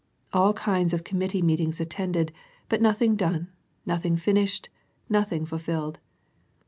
All kinds of Committee meetings attended, but nothing done, nothing finished, nothing ful filled.